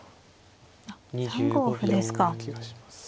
あっ３五歩ですか。